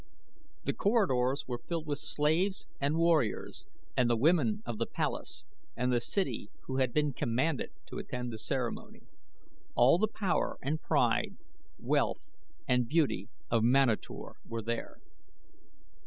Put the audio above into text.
The corridors were filled with slaves and warriors, and the women of the palace and the city who had been commanded to attend the ceremony. All the power and pride, wealth and beauty of Manator were there.